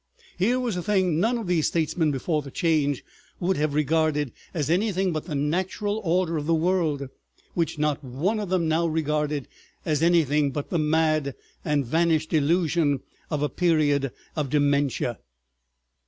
Here was a thing none of these statesmen before the Change would have regarded as anything but the natural order of the world, which not one of them now regarded as anything but the mad and vanished illusion of a period of dementia.